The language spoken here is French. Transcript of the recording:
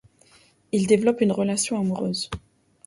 Ils développent une relation amoureuse.